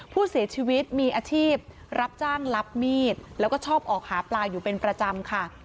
ผู้เสียชีวิตมีอาชีพรับจ้างรับมีดแล้วก็ชอบออกหาปลาอยู่เป็นประจำค่ะ